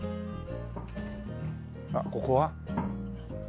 あっここは？